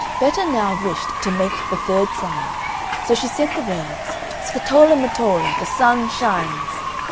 Betta now wished to make the third trial, so she said the words, "Scatola matola, the sun shines!"